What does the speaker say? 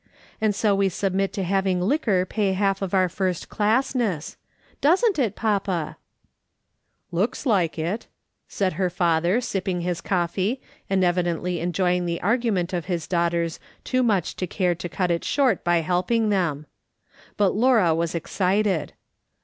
And so we submit to having liquor pay half of our first classness. Doesn't it, papa ?"" Looks like it," said her father, sipping his coffee, and evidently enjoying the argument of his daughters too much to care to cut it short by helping them. But Laura was excited.